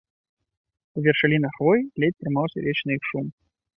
У вяршалінах хвояў ледзь трымаўся вечны іх шум.